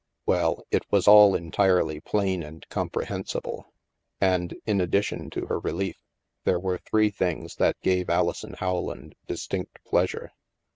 Well, it was all entirely plain and comprehensible. And, in addition to her relief, there were three things that gave Alison Howland distinct pleasure.